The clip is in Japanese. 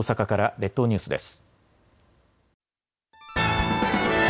列島ニュースです。